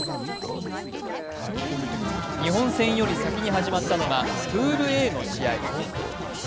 日本戦より先に始まったのがプールＡの試合。